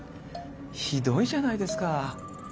ひどいじゃないですか。